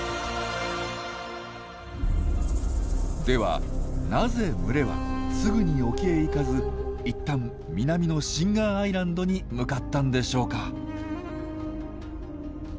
ではなぜ群れはすぐに沖へ行かずいったん南のシンガーアイランドに向かったんでしょうか？